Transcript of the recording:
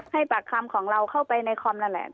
ปากคำของเราเข้าไปในคอมนั่นแหละ